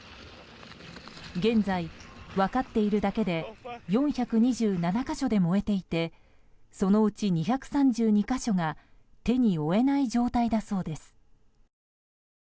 現在、分かっているだけで４２７か所で燃えていてそのうち２３２か所が手に負えない状態だそうです。